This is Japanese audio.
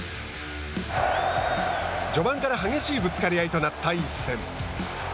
序盤から激しいぶつかり合いとなった一戦。